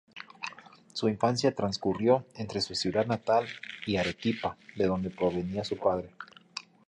Su infancia transcurrió entre su ciudad natal y Arequipa, de donde provenía su padre.